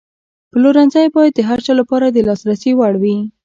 پلورنځی باید د هر چا لپاره د لاسرسي وړ وي.